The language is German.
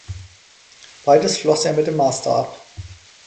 Beides schloss er mit dem Master ab.